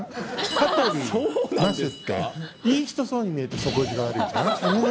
羽鳥、桝って、いい人そうに見えて底意地が悪いじゃん。